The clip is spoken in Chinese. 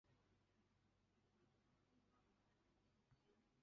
蒂尔施内克是德国图林根州的一个市镇。